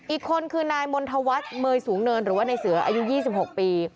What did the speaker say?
อีกคนคือนายมณฑวัฒน์เมย์สูงเนินหรือว่าในเสืออายุ๒๖ปี